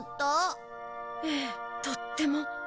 ええとっても。